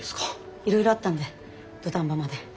いろいろあったんで土壇場まで。